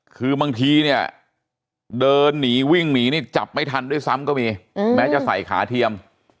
คือบางทีเนี่ยเดินหนีวิ่งหนีนี่จับไม่ทันด้วยซ้ำก็มีแม้จะใส่ขาเทียม